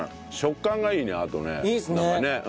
食感がいいねあとね。